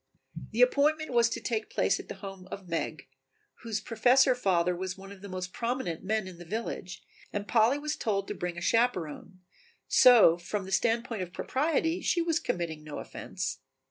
The appointment was to take place at the home of Meg, whose Professor father was one of the most prominent men in the village and Polly was told to bring a chaperon, so from the standpoint of propriety she was committing no offence.